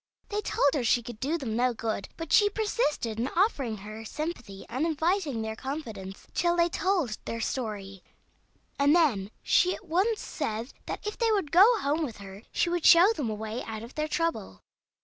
They told her she could do them no good; but she persisted in offering her sympathy and inviting their confidence, till they told their story, and then she at once said that if they would go home with her she would show them a way out or their trouble.